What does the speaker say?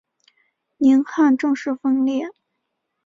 宁汉正式分裂。